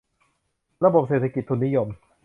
ระบบเศรษฐกิจทุนนิยม